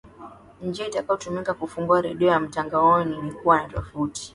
njia itakayotumika kufungua redio ya mtangaoni ni kuwa na tovuti